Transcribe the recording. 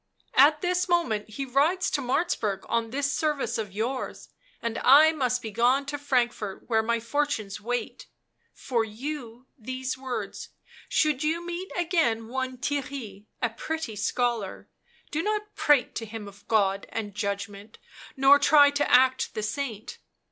" At this moment he rides to Martzburg on this service of yours, and I must begone to Frankfort where my fortunes wait. For you these words: should you meet again one Theirry* a pretty scholar, do not prate to him of God and Judgment, nor try to act the saint.